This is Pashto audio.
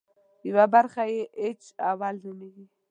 یوه برخه یې اېچ اول نومېږي.